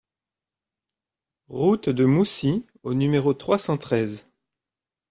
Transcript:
Route de Moussy au numéro trois cent treize